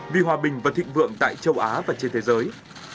vì hòa bình và thịnh vượng tại châu á và trên thế giới